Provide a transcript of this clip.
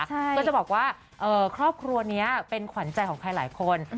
ก็จะบอกว่าครอบครัวนี้เป็นขวัญใจของใครหลายคน